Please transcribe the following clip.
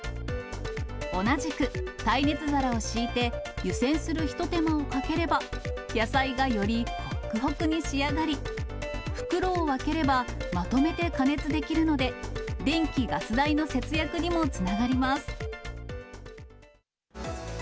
同じく耐熱皿を敷いて、湯せんするひと手間をかければ、野菜がよりほっくほくに仕上がり、袋を分ければまとめて加熱できるので、電気ガス代の節約にもつながります。